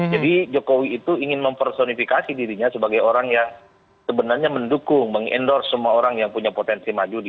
jadi jokowi itu ingin mempersonifikasi dirinya sebagai orang yang sebenarnya mendukung meng endorse semua orang yang punya potensi maju di dua ribu dua puluh empat